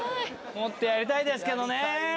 もっとやりたいですけどねぇ。